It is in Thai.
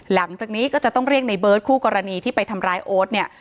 หลังจากนี้ก็จะต้องเรียกในเบิร์ตคู่กรณีที่ไปทำร้ายโอ๊ตเนี่ย